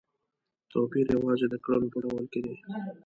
توپیر یوازې د کړنو په ډول کې دی.